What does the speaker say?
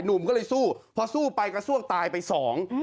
หนุ่มก็เลยสู้พอสู้ไปกระซ่วกตายไปสอง